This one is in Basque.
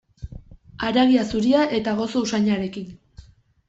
Haragia zuria eta gozo usainarekin.